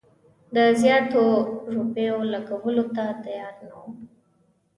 د زیاتو روپیو لګولو ته تیار نه وو.